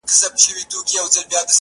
صبر کوه خدای به درکړي-